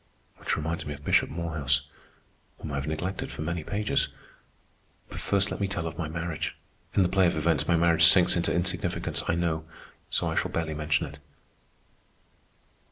Which reminds me of Bishop Morehouse, whom I have neglected for many pages. But first let me tell of my marriage. In the play of events, my marriage sinks into insignificance, I know, so I shall barely mention it.